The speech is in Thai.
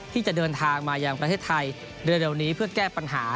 ที่จะเดินทางมายังประเทศไทยเร็วนี้เพื่อแก้ปัญหา